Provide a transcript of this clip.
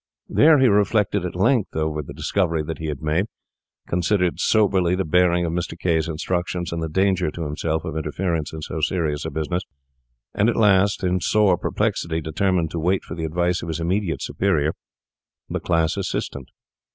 There he reflected at length over the discovery that he had made; considered soberly the bearing of Mr. K—'s instructions and the danger to himself of interference in so serious a business, and at last, in sore perplexity, determined to wait for the advice of his immediate superior, the class assistant.